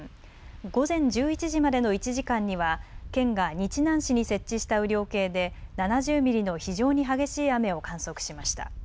午前１１時までの１時間には県が日南市に設置した雨量計で７０ミリの非常に激しい雨を観測しました。